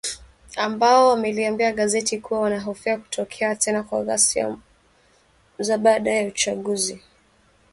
Ambao wameliambia gazeti kuwa wanahofia kutokea tena kwa ghasia za baada ya uchaguzi